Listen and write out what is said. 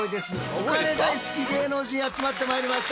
お金大好き芸能人集まってまいりました。